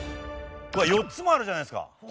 ４つもあるじゃないですか。